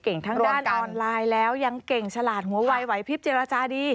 ทั้งด้านออนไลน์แล้วยังเก่งฉลาดหัววัยไหวพลิบเจรจาดี